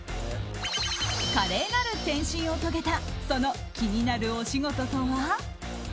華麗なる転身を遂げたその気になるお仕事とは？